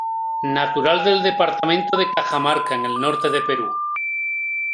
Natural del departamento de Cajamarca, en el norte del Perú.